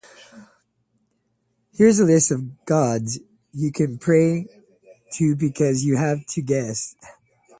Here's a list of gods you can pray to because you have to guess